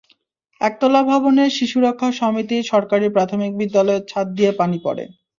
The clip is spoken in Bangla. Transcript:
একতলা ভবনের শিশুরক্ষা সমিতি সরকারি প্রাথমিক বিদ্যালয়ের ছাদ দিয়ে পানি পড়ে।